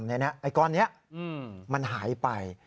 ไอ้ก้อนนี้มันหายไป